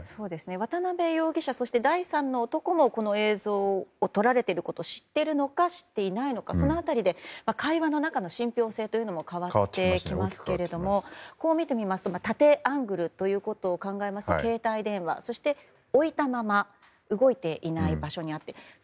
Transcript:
渡邉容疑者やそして、第三の男もこの映像を撮られていることを知っているのか知っていないのかその辺りで会話の中の信憑性も変わってきますけれどもこう見てみますと、縦アングルということを考えますと携帯電話そして、置いたまま動いていない場所にあって。